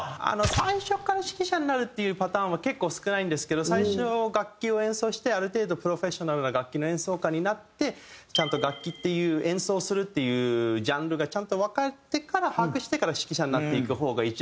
最初から指揮者になるっていうパターンは結構少ないんですけど最初楽器を演奏してある程度プロフェッショナルな楽器の演奏家になってちゃんと楽器っていう演奏するっていうジャンルがちゃんとわかってから把握してから指揮者になっていく方が一番スムーズなパターンだと。